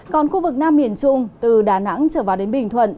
còn khu vực nam miền trung từ đà nẵng trở vào đến bình thuận